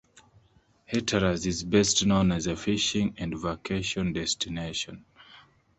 Hatteras is best known as a fishing and vacation destination.